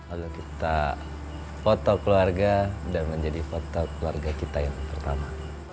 lalu kita foto keluarga dan menjadi foto keluarga kita yang pertama